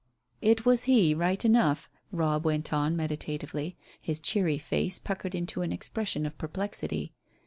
"It was he, right enough," Robb went on meditatively, his cheery face puckered into an expression of perplexity.